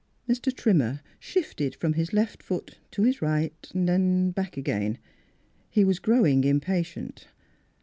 Mr. Trimmer shifted from his left foot to his right ; then back again. He was growing impatient.